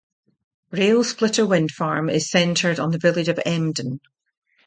Rail Splitter Wind Farm is centered on the village of Emden.